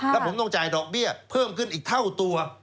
แล้วผมต้องจ่ายดอกเบี้ยเพิ่มขึ้นอีกเท่าตัว